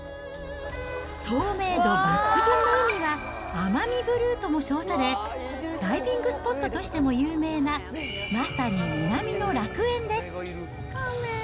透明度抜群の海は、アマミブルーとも称され、ダイビングスポットとしても有名なまさに南の楽園です。